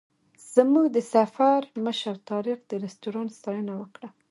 زموږ د سفر مشر طارق د رسټورانټ ستاینه وکړه.